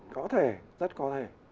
có thể rất có thể